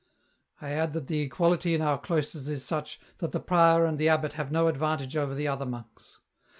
" I add that the equality in our cloisters is such that the prior and the abbot have no advantage over the other monks.